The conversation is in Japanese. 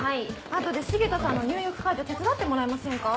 あとで重田さんの入浴介助手伝ってもらえませんか？